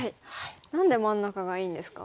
何で真ん中がいいんですか？